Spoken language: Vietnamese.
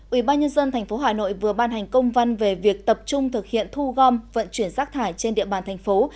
ubnd tp hà nội vừa ban hành công văn về việc tập trung thực hiện thu gom vận chuyển rác thải trên địa bàn thành phố